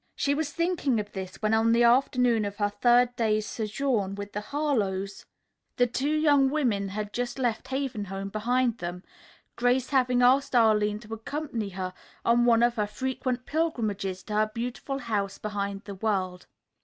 She was thinking of this when, on the afternoon of her third day's sojourn with the Harlowes, the two young women had just left Haven Home behind them, Grace having asked Arline to accompany her on one of her frequent pilgrimages to her beautiful House Behind the World.